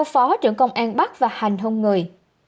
theo phó trưởng công an bắc và hành hùng người